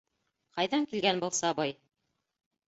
Ҡайҙан килгән был сабый?